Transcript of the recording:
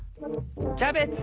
キャベツ！